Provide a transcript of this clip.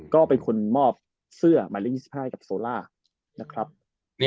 ก็เป็นคนมอบเสื้อหมายเรียก๒๕กับโซล่า